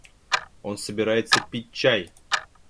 Он собирается пить чай!